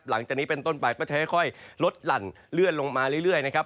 หลังจากนี้เป็นต้นไปก็จะค่อยลดหลั่นเลื่อนลงมาเรื่อยนะครับ